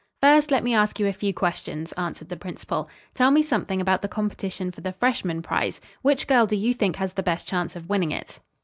"First, let me ask you a few questions," answered the principal. "Tell me something about the competition for the freshman prize. Which girl do you think has the best chance of winning it?"